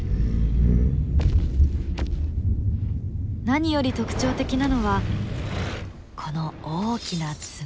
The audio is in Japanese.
何より特徴的なのはこの大きな爪。